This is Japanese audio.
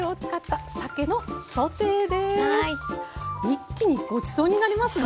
一気にごちそうになりますね。